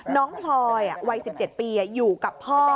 พลอยวัย๑๗ปีอยู่กับพ่อ